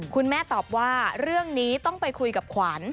คุณแม่ตอบว่าเรื่องนี้ต้องไปคุยกับขวัญ